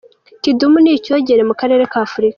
Kidum ni icyogere mu karere k’Afurika.